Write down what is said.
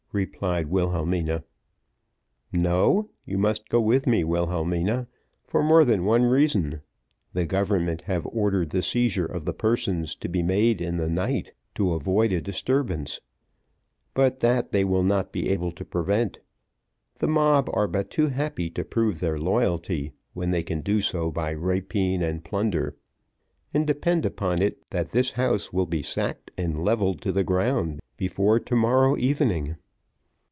replied Wilhelmina. "No, you must go with me, Wilhelmina, for more than one reason; the government have ordered the seizure of the persons to be made in the night, to avoid a disturbance; but that they will not be able to prevent; the mob are but too happy to prove their loyalty, when they can do so by rapine and plunder, and depend upon it that this house will be sacked and levelled to the ground before to morrow evening.